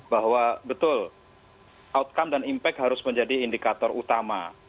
bahwa betul outcome dan impact harus menjadi indikator utama